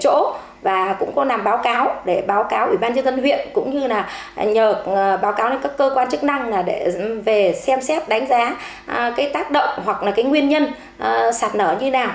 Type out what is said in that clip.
chúng tôi cũng có làm báo cáo để báo cáo ủy ban nhân dân huyện cũng như nhờ báo cáo các cơ quan chức năng để xem xét đánh giá tác động hoặc nguyên nhân sạt lở như nào